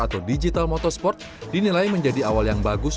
atau digital motorsport dinilai menjadi awal yang bagus